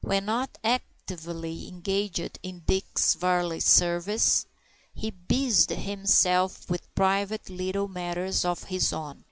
When not actively engaged in Dick Varley's service, he busied himself with private little matters of his own.